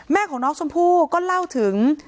แม่ของน้องชมพู่ก็เล่าถึง